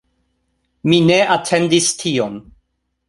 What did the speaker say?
Mi ne atendis tion